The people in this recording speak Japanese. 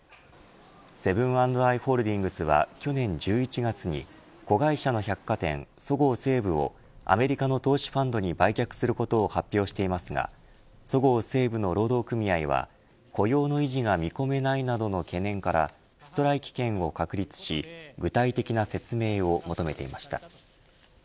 セブン＆アイ・ホールディングスは去年１１月に子会社の百貨店そごう・西武をアメリカの投資ファンドに売却することを発表していますがそごう・西武の労働組合は雇用の維持が見込めないなどの懸念からストライキ権を確立し具体的な説明を求めていました。